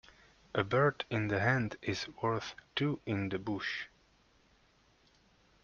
A bird in the hand is worth two in the bush.